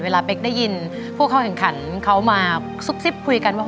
เป๊กได้ยินผู้เข้าแข่งขันเขามาซุบซิบคุยกันว่า